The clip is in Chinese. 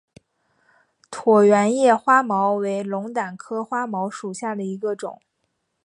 椭圆叶花锚为龙胆科花锚属下的一个种。